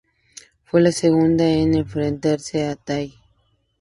Fue la segunda en enfrentarse a Tai.